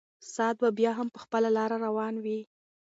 ساعت به بیا هم په خپله لاره روان وي.